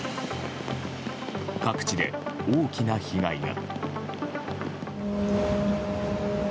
各地で大きな被害が。